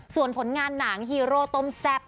ส่วนผลงานหนังฮีโร่ต้มแซ่บ